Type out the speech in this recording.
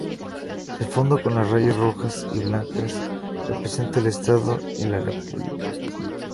El fondo con las rayas rojas y blancas representa el estado y la república.